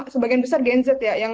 sebagian besar gen z ya